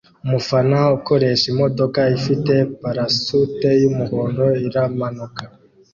Umufana ukoresha imodoka ifite parasute yumuhondo iramanuka